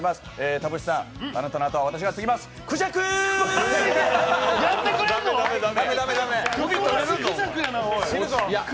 田渕さん、あなたの後は私が継ぎます、クジャク！